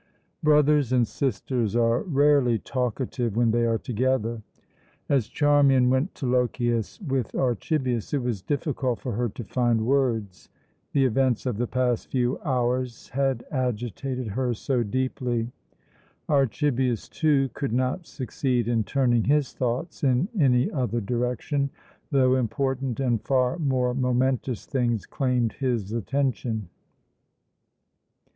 Brothers and sisters are rarely talkative when they are together. As Charmian went to Lochias with Archibius, it was difficult for her to find words, the events of the past few hours had agitated her so deeply. Archibius, too, could not succeed in turning his thoughts in any other direction, though important and far more momentous things claimed his attention.